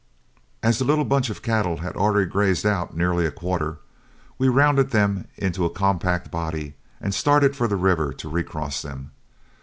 As the little bunch of cattle had already grazed out nearly a quarter, we rounded them into a compact body and started for the river to recross them.